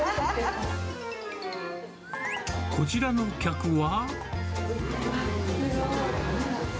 こちらの客は？